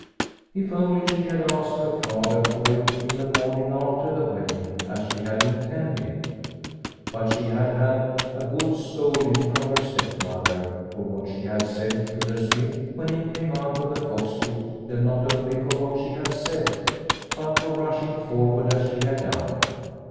If only she had asked her father for it the morning after the wedding as she had intended ! But she had had a good scolding from her stepmother for what she had said to the smith when he came out of the fox pit and not only for what she had said, but for rushing forward as she had done.